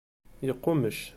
Yeqqummec.